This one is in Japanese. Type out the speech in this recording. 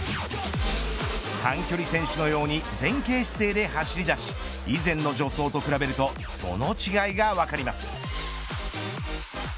短距離選手のように前傾姿勢で走り出し以前の助走と比べるとその違いが分かります。